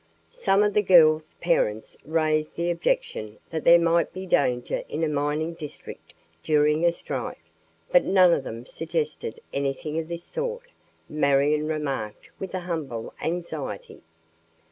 "Some of the girls' parents raised the objection that there might be danger in a mining district during a strike, but none of them suggested anything of this sort," Marion remarked with humble anxiety.